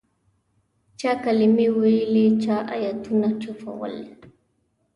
چا کلمې ویلې چا آیتونه چوفول.